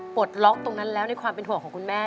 ปลดล็อกตรงนั้นแล้วในความเป็นห่วงของคุณแม่